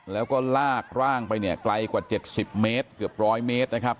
แล้วก็ลากร่างไปเนี่ยไกลกว่า๗๐เมตรเกือบ๑๐๐เมตรนะครับ